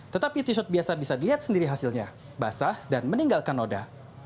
tetapi t shot biasa bisa dilihat sendiri hasilnya basah dan meninggalkan noda